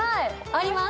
あります。